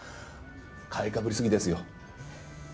買いかぶり過ぎですよ。